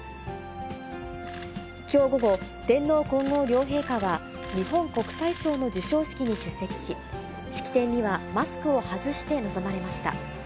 きょう午後、天皇皇后両陛下は、日本国際賞の授賞式に出席し、式典にはマスクを外して臨まれました。